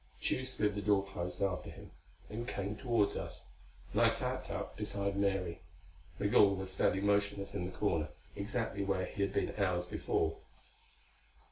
Tugh slid the door closed after him and came toward us, and I sat up beside Mary. Migul was standing motionless in the corner, exactly where he had been hours before.